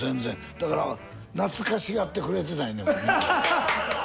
だから懐かしがってくれてないねんもん。